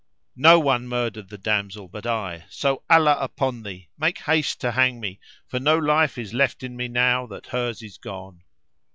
No one murdered the damsel but I, so Allah upon thee, make haste to hang me, for no life is left in me now that hers is gone."